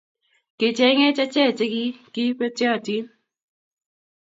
Ki-icheng'ech ache`k che kigi betyotin.